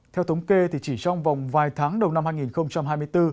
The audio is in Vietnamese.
theo thống kê thì chỉ trong vòng vài tháng đầu năm hai nghìn hai mươi bốn